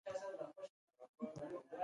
د برېټانیا پارلمان له اشرافو څخه جوړ و.